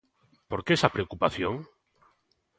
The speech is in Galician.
Por que esa preocupación?